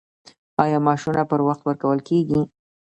آیا معاشونه پر وخت ورکول کیږي؟